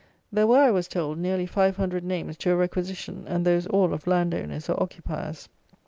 There were, I was told, nearly five hundred names to a Requisition, and those all of land owners or occupiers.